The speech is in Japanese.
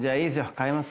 買います。